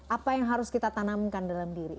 apa yang harus kita tanamkan dalam diri